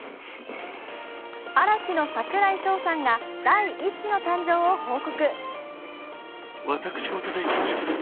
嵐の櫻井翔さんが第１子の誕生を報告。